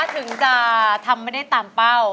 คุณทำไม่ได้ตามเป้า